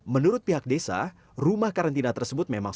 menurut pihak desa rumah karantina tersebut memang